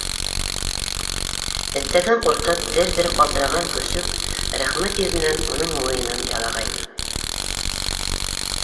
Эттәрҙән ҡурҡып дер-дер ҡалтыраған көсөк рәхмәт йөҙөнән уның муйынын ялағайны...